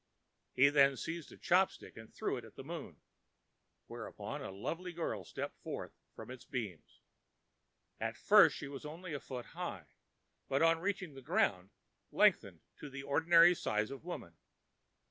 ã He then seized a chop stick and threw it into the moon, whereupon a lovely girl stepped forth from its beams. At first she was only a foot high, but on reaching the ground lengthened to the ordinary size of women.